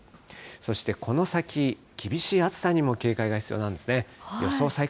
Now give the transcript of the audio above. そして、この先、厳しい暑さにも警戒が必要なんですね。